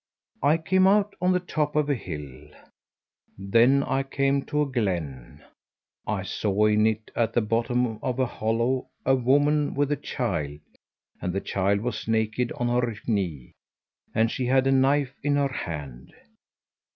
I came out on the top of a hill. Then I came to a glen; I saw in it, at the bottom of a hollow, a woman with a child, and the child was naked on her knee, and she had a knife in her hand.